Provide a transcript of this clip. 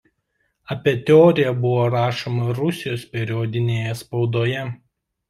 Apie teoriją buvo rašoma Rusijos periodinėje spaudoje..